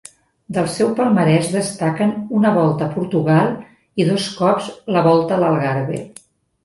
Del seu palmarès destaquen una Volta a Portugal i dos cops la Volta a l'Algarve.